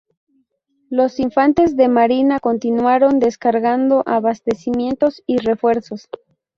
Los infantes de marina continuaron descargando abastecimientos y refuerzos.